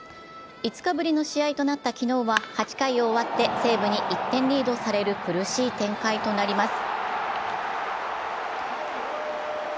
５日ぶりの試合となった昨日は８回を終わって西武に１点リードされる苦しい展開となります。